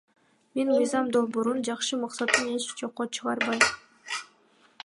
Мен мыйзам долбоорунун жакшы максатын эч жокко чыгарбайм.